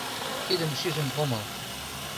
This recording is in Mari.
— Тидым шижын омыл.